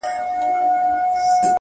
• ماخو ستا غمونه ځوروي گلي .